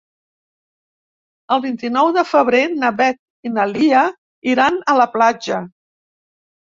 El vint-i-nou de febrer na Beth i na Lia iran a la platja.